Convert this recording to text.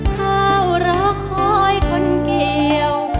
ถ้าเราคอยคนเดียว